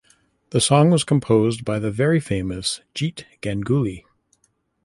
The song was composed by the very famous Jeet Gannguli.